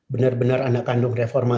benar benar anak kandung reformasi